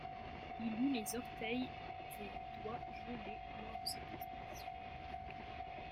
Il eut les orteils et les doigts gelés lors de cette expédition.